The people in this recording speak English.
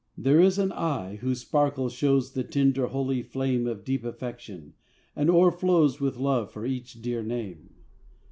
There is an eye, whose sparkle shows The tender holy flame Of deep affection, and o'erflows With love for each dear name.